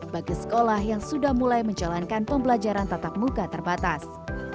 bagi sekolah yang sudah mulai menjalankan pembelajaran tatap muka terbatas